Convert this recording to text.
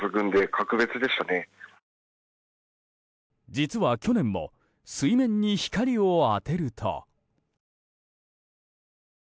実は去年も水面に光を当てると。